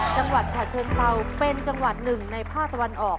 จังหวัดฉะเชิงเซาเป็นจังหวัดหนึ่งในภาคตะวันออก